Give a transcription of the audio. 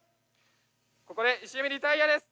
ここで弩リタイアです。